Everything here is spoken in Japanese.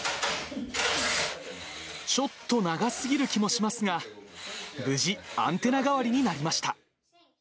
ちょっと長すぎる気もしますが、無事、アンテナ代わりになりました。